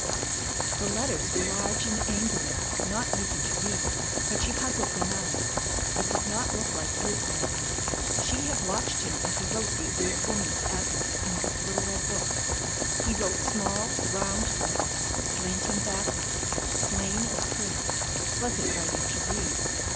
The letters were large and angular, not easy to read; but she puzzled them out. It did not look like his writing. She had watched him as he wrote the old woman's address in his little red book. He wrote small, round letters, slanting backwards, plain as print, pleasant writing to read.